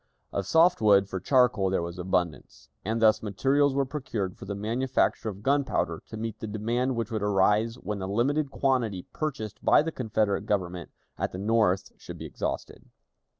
Of soft wood for charcoal there was abundance, and thus materials were procured for the manufacture of gunpowder to meet the demand which would arise when the limited quantity purchased by the Confederate Government at the North should be exhausted.